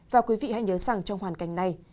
và quý vị hãy nhớ rằng trong hoàn cảnh này